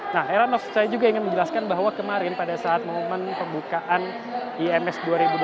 nah heranov saya juga ingin menjelaskan bahwa kemarin pada saat momen pembukaan ims dua ribu dua puluh